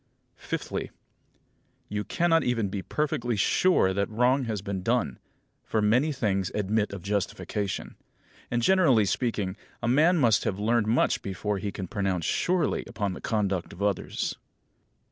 Fifthly: You cannot even be perfectly sure that wrong has been done, for many things admit of justification. And, generally speaking, a man must have learned much before he can pronounce surely upon the conduct of others.